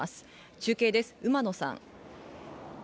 中継です、馬野さん。